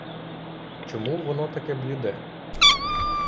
Чому воно таке бліде?